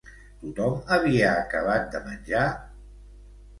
Tothom havia acabat de menjar?